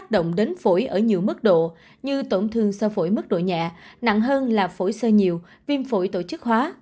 động đến phổi ở nhiều mức độ như tổn thương sơ phổi mức độ nhẹ nặng hơn là phổi sơ nhiều viêm phổi tổ chức hóa